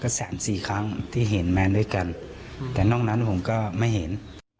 ก็สามสี่ครั้งที่เห็นแมนด้วยกันแต่นอกนั้นผมก็ไม่เห็น